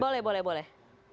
boleh boleh boleh